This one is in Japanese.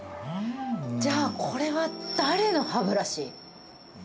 じゃあこれは誰の歯ブラシ？